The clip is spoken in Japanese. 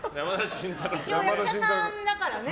一応、役者さんだからね。